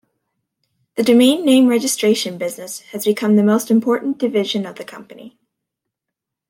The domain name registration business has become the most important division of the company.